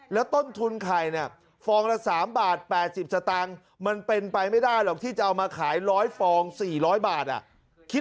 ระต้นทุนไข่น่ะฟองละ๓บาท๘๐สตางมันเป็นไปไม่ได้หรอกที่จะเอามาขายร้อยฟอง๔๐๐บาทอ่ะ